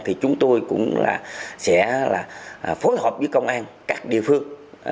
thì chúng tôi cũng sẽ là phối hợp với công an các địa phương